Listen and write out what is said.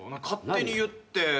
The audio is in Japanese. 勝手に言って。